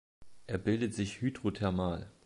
Er bildet sich hydrothermal.